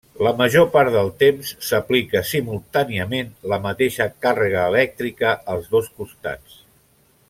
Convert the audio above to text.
La major part del temps s'aplica, simultàniament, la mateixa càrrega elèctrica als dos costats.